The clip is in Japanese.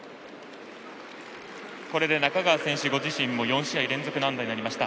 これで中川選手ご自身も４試合連続安打となりました。